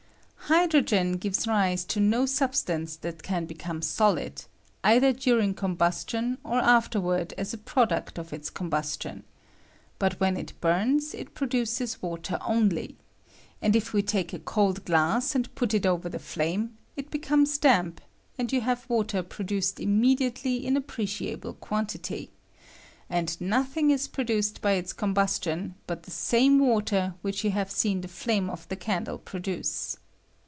Hydrogen gives rise to no substance that can . become solid, either during combustion or after I 92 PKODUCT OF COMBUSTION OP HTDEOGEN. ward as a product of its combustion ; but when it bums it produces water only ; and if we take a cold glass and put it over the flame, it be comes damp, and you have water produced im mediately in appreciable quantity; and nothing 13 produced by itg combustion but the same water which you have seen the flame of the candle produce.